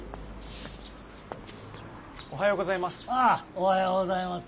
おはようございます。